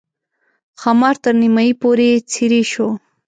ښامار تر نیمایي پورې څېرې شو.